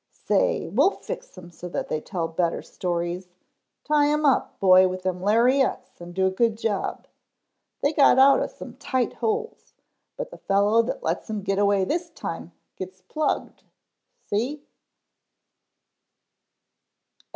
"Say, we'll fix 'em so they tell better stories. Tie 'em up boy with them lariats and do a good job. They got out of some tight holes, but the fellow that lets 'em get away this time gets plugged, see."